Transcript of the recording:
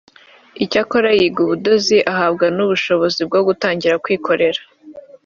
icyakora yiga ubudozi ahabwa n’ubushobozi bwo gutangira kwikorera